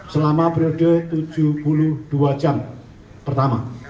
selama periode tujuh puluh dua jam pertama